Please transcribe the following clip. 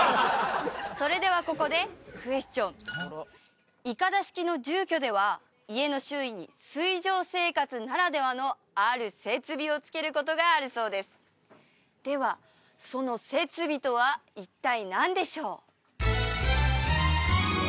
それではここでクエスチョンいかだ式の住居では家の周囲に水上生活ならではのある設備をつけることがあるそうですではその設備とは一体何でしょう？